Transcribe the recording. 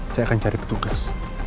saya akan cari petugas